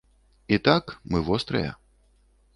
І так, мы вострыя.